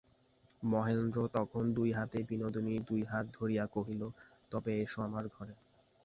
মহেন্দ্র তখন দুই হাতে বিনোদিনীর দুই হাত ধরিয়া কহিল, তবে এসো আমার ঘরে।